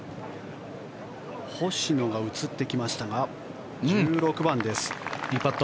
星野が映ってきましたが１６番です。